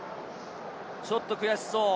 ちょっと悔しそう。